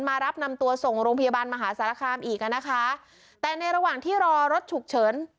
มารับนำตัวส่งโรงพยาบาลมหาสารคามอีกอ่ะนะคะแต่ในระหว่างที่รอรถฉุกเฉิน